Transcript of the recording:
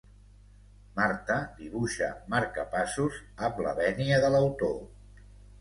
Marta dibuixa marcapassos, amb la vènia de l'autor.